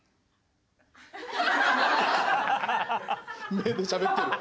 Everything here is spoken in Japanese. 目でしゃべってる。